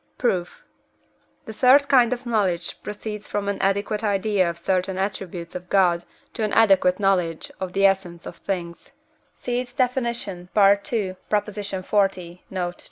Proof. The third kind of knowledge proceeds from an adequate idea of certain attributes of God to an adequate knowledge of the essence of things (see its definition II. xl. note.